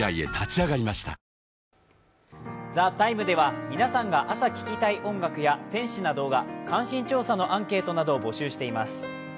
「ＴＨＥＴＩＭＥ，」では皆さんが朝聴きたい音楽や天使な動画、関心調査のアンケートなどを募集しています。